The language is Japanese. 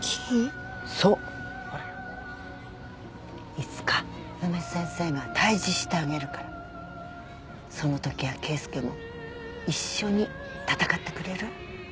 いつか梅先生が退治してあげるからその時は圭介も一緒に戦ってくれる？